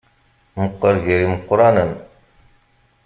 Meqqer gar yimeqqranen.